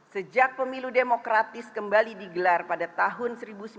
sejak pemilu demokratis kembali digelar pada tahun seribu sembilan ratus sembilan puluh